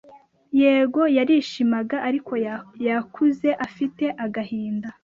yego yarishimaga ariko yakuze afite agahinda